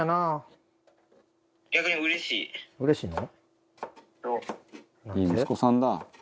うれしいの？